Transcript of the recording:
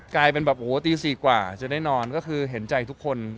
กลายเป็นแบบโอ้โหตี๔กว่าจะได้นอนก็คือเห็นใจทุกคน